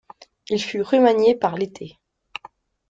Il fut remanié par Lété.